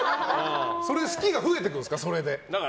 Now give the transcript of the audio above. それで好きが増えていくんですか？